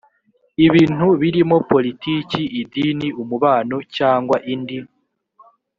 ibintu birimo politiki, idini, umubano cyangwa indi